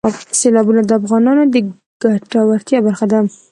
سیلابونه د افغانانو د ګټورتیا برخه ده.